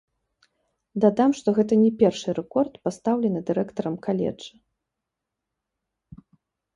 Дадам, што гэта не першы рэкорд, пастаўлены дырэктарам каледжа.